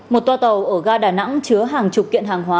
một toa tàu ở ga đà nẵng chứa hàng chục kiện hàng hóa